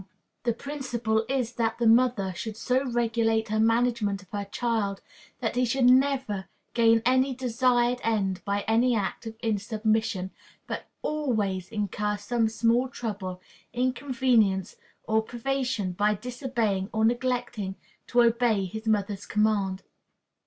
The first principle is that the mother should so regulate her management of her child, that he should never gain any desired end by any act of insubmission, but always incur some small trouble, inconvenience, or privation, by disobeying or neglecting to obey his mother's command.